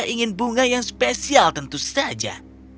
saya ingin bunga yang spesial tentu saja